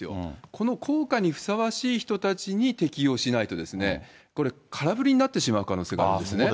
この効果にふさわしい人たちに適用しないと、これ、空振りになってしまう可能性があるんですね。